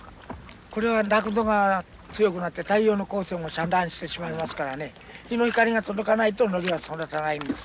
これは濁度が強くなって太陽の光線を遮断してしまいますからね日の光が届かないとノリが育たないんです。